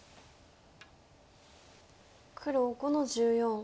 黒５の十四。